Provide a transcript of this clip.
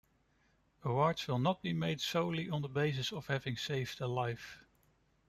Awards will not be made solely on the basis of having saved a life.